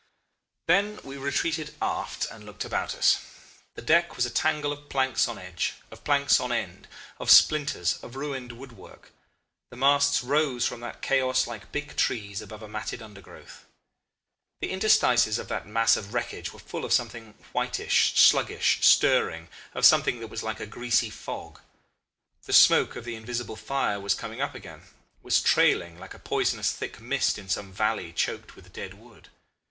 "Then we retreated aft and looked about us. The deck was a tangle of planks on edge, of planks on end, of splinters, of ruined woodwork. The masts rose from that chaos like big trees above a matted undergrowth. The interstices of that mass of wreckage were full of something whitish, sluggish, stirring of something that was like a greasy fog. The smoke of the invisible fire was coming up again, was trailing, like a poisonous thick mist in some valley choked with dead wood.